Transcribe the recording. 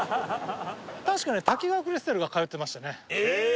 確かね滝川クリステルが通ってましたねえ！